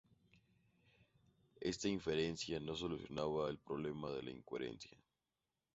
Esta inferencia no soluciona el problema de la incoherencia.